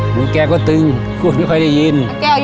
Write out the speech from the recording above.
หมู่แกก็ตึงคนก็ยิน